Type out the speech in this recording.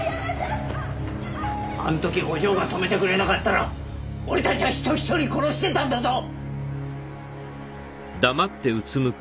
あん時お嬢が止めてくれなかったら俺たちは人一人殺してたんだぞ！